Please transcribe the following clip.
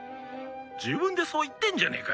自分でそう言ってんじゃねえか。